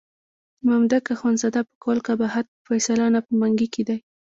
د مامدک اخندزاده په قول قباحت په فیصله کې نه په منګي کې دی.